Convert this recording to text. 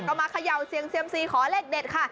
ก็มาเขย่าเสี่ยงเซียมซีขอเลขเด็ดค่ะ